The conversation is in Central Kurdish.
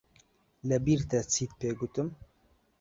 لەبیرتە چیت پێ گوتم؟